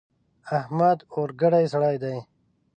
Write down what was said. احمد اورګډی سړی دی.